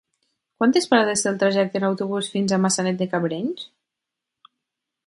Quantes parades té el trajecte en autobús fins a Maçanet de Cabrenys?